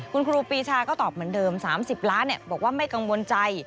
คุณครูปีชาก็ตอบเหมือนเดิม๓๐ล้านบอกว่าไม่กังวลใจ